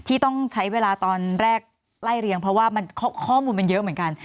ที่ต้องใช้เวลาตอนแรกไล่เรียงเพราะว่าข้อมูลมันเยอะเหมือนกัน